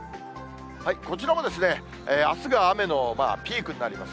こちらもあすが雨のピークになります。